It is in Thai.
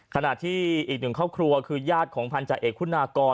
ขณะที่อีกหนึ่งครอบครัวคือญาติของพันธาเอกคุณากร